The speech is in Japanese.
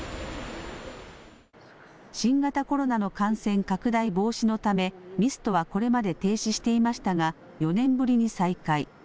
新型コロナの感染拡大防止のためミストはこれまで停止していましたが４年ぶりに再開。